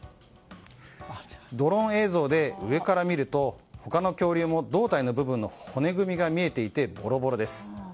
ドローン映像で上から見ると他の恐竜も胴体の部分の骨組みが見えていてボロボロです。